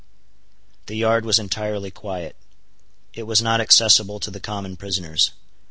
The yard was entirely quiet. It was not accessible to the common prisoners.